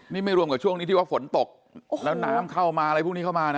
นี่ไม่รวมกับช่วงนี้ที่ว่าฝนตกแล้วน้ำเข้ามาอะไรพวกนี้เข้ามานะ